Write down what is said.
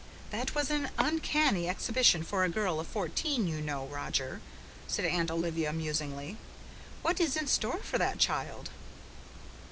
"That was an uncanny exhibition for a girl of fourteen, you know, Roger," said Aunt Olivia musingly. "What is in store for that child?"